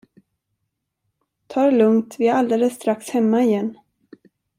Ta det lugnt, vi är alldeles strax hemma igen.